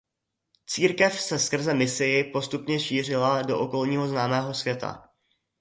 Církev se skrze misii postupně šířila do okolního známého světa.